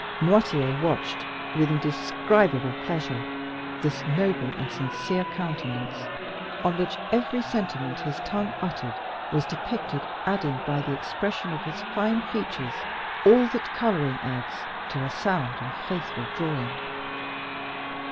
Noirtier watched, with indescribable pleasure, this noble and sincere countenance, on which every sentiment his tongue uttered was depicted, adding by the expression of his fine features all that coloring adds to a sound and faithful drawing.